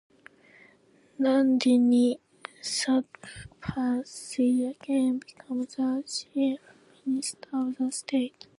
Nandini Satpathy again become the Chief Minister of the state.